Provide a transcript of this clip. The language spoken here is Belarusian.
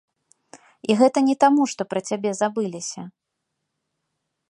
І гэта не таму, што пра цябе забыліся.